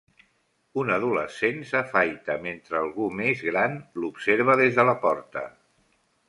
Un adolescent s'afaita mentre algú més gran l'observa des de la porta.